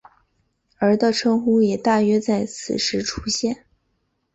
而的称呼也大约在此时出现。